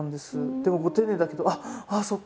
でもご丁寧だけど「ああそっか。